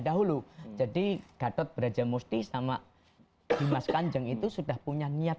dahulu jadi gatot brajamusti sama dimas kanjeng itu sudah punya niat